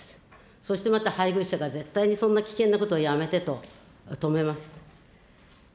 そしてまた配偶者が絶対にそんな危険なことやめてと止めます。